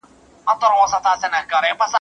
نظر رابانــدي بـار دئ